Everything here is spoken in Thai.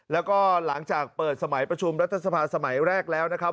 แล้วก็หลังจากเปิดสมัยประชุมรัฐสภาสมัยแรกแล้วนะครับ